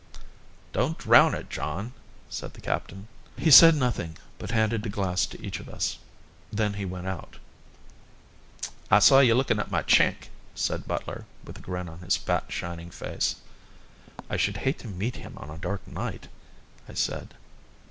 "Don't drown it, John," said the captain. He said nothing, but handed a glass to each of us. Then he went out. "I saw you lookin' at my Chink," said Butler, with a grin on his fat, shining face. "I should hate to meet him on a dark night," I said.